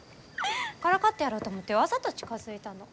からかってやろうと思ってわざと近づいたの。